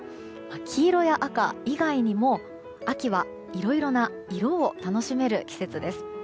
黄色や赤以外にも秋はいろいろな色を楽しめる季節です。